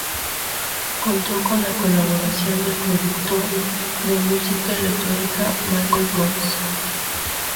Contó con la colaboración del productor de música electrónica Michael Woods.